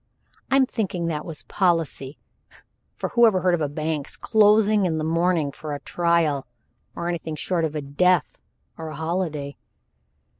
I'm thinking that was policy, for whoever heard of a bank's being closed in the morning for a trial or anything short of a death or a holiday?"